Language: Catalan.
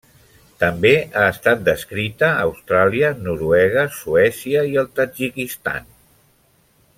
També ha estat descrita a Austràlia, Noruega, Suècia i el Tadjikistan.